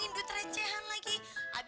tianta tianta satu bu